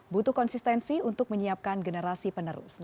butuh konsistensi untuk menyiapkan generasi penerus